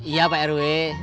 iya pak rw